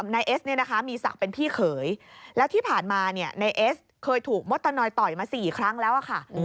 นายเอสเนี่ยนะคะมีศักดิ์เป็นพี่เขยแล้วที่ผ่านมานายเอสเคยถูกมดตะนอยต่อยมา๔ครั้งแล้วค่ะ